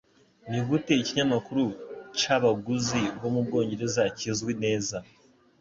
Nigute Ikinyamakuru c'Abaguzi bo mu Bwongereza kizwi neza?